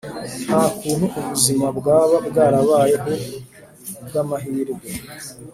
Nta kuntu ubuzima bwaba bwarabayeho ku bw ‘amahirwe.